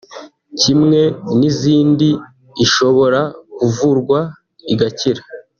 kimwe n’izindi ishobora kuvurwa igakira